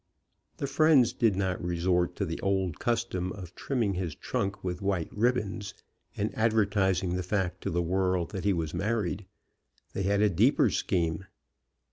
The friends did not resort to the old custom of trimming his trunk with white ribbons, and advertising the fact to the world that he was married. They had a deeper scheme.